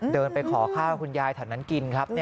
เดินไปขอข้าวคุณยายแถวนั้นกินครับ